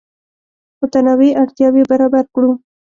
متنوع اړتیاوې برابر کړو.